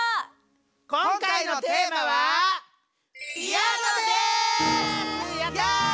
今回のテーマはイエイ！